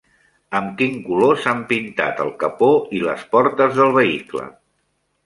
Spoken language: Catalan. Amb quin color s'han pintat el capó i les portes del vehicle?